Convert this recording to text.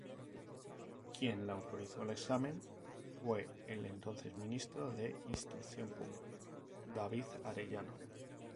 Quien le autorizó el examen fue el entonces Ministro de Instrucción Pública, David Arellano.